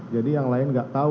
jadi yang lain gak tau